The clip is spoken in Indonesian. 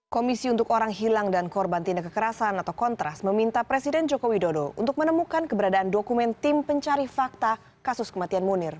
komisi untuk orang hilang dan korban tindak kekerasan atau kontras meminta presiden joko widodo untuk menemukan keberadaan dokumen tim pencari fakta kasus kematian munir